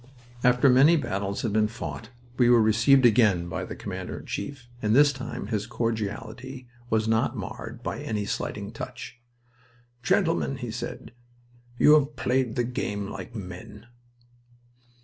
After many bloody battles had been fought we were received again by the Commander in Chief, and this time his cordiality was not marred by any slighting touch. "Gentlemen," he said, "you have played the game like men!"